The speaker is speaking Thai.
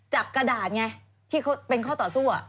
กระดาษไงที่เขาเป็นข้อต่อสู้